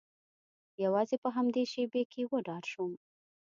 یوازې په همدې شیبې کې وډار شوم